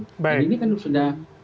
jadi ini kan sudah